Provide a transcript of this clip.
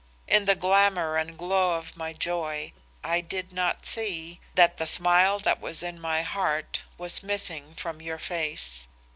In the glamour and glow of my joy, I did not see that the smile that was in my heart, was missing from your face.